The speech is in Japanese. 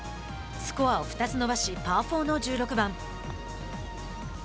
スコアを２つ伸ばしパー４の１６番。